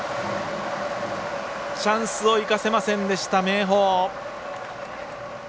チャンスを生かせませんでした明豊。